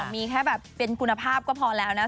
มีแค่แบบเป็นคุณภาพก็พอแล้วนะ